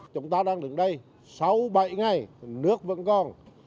chúng ta đang đứng đây sau bảy ngày nước vẫn còn